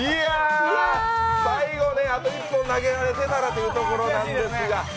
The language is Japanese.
最後ね、あと１本投げられてたらというところなんですが。